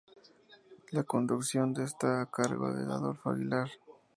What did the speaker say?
La conducción de la está a cargo de Adolfo Aguilar.